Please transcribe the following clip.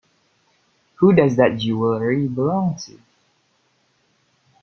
Who does that jewellery belong to?